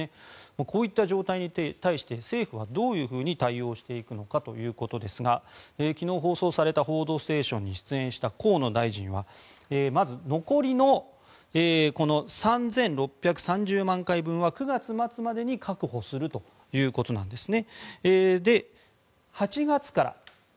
こういった状態に対して政府はどういうふうに対応していくのかということですが昨日、放送された「報道ステーション」に出演した河野大臣はまず、残りの３６３０万回分は９月末までに確保するということなんですね。